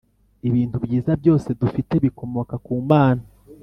ibintu byiza byose dufite bikomoka ku mana.